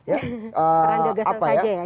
peran gagasan saja ya